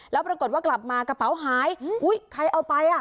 แล้วปรากฏว่ากลับมากระเป๋าหายอุ้ยใครเอาไปอ่ะ